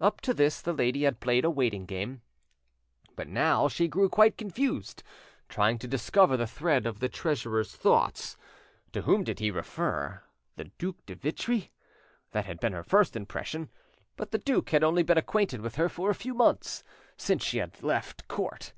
Up to this the lady had played a waiting game, but now she grew quite confused, trying to discover the thread of the treasurer's thoughts. To whom did he refer? The Duc de Vitry? That had been her first impression. But the duke had only been acquainted with her for a few months—since she had—left Court.